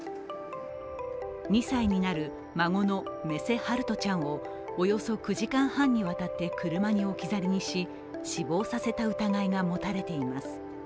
２歳になる孫の目瀬陽翔ちゃんをおよそ９時間半にわたって車に置き去りにし死亡させた疑いが持たれています。